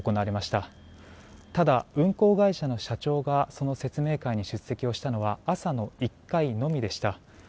ただ、運航会社の社長がその説明会に出席したのは朝の１回のみでした。